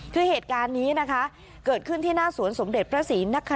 คือเหตุการณ์นี้นะคะเกิดขึ้นที่หน้าสวนสมเด็จพระศีลนะคะ